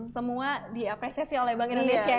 semua diapresiasi oleh bank indonesia ya mbak